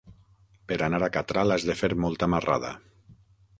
Per anar a Catral has de fer molta marrada.